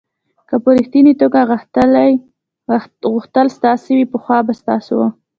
که په ریښتني توګه غوښتل ستاسو وي پخوا به ستاسو و.